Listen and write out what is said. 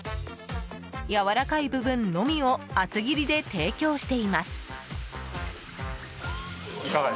やわらかい部分のみを厚切りで提供しています。